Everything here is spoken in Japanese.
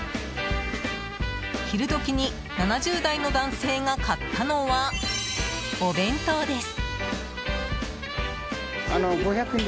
昼時に７０代の男性が買ったのはお弁当です。